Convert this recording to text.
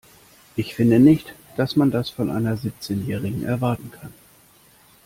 Ich finde nicht, dass man das von einer Siebzehnjährigen erwarten kann.